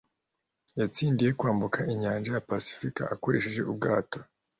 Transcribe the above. yatsinze kwambuka inyanja ya pasifika akoresheje ubwato